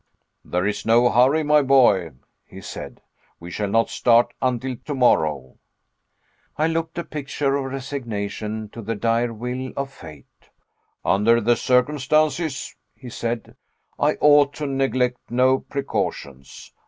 "There is no hurry, my boy," he said, "we shall not start until tomorrow." I looked the picture of resignation to the dire will of fate. "Under the circumstances," he said, "I ought to neglect no precautions.